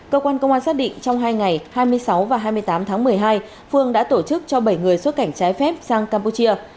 cơ quan công an xác định trong hai ngày hai mươi sáu và hai mươi tám tháng một mươi hai phương đã tổ chức cho bảy người xuất cảnh trái phép sang campuchia